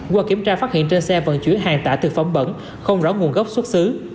qua kiểm tra phát hiện trên xe vận chuyển hàng tạ thực phẩm bẩn không rõ nguồn gốc xuất xứ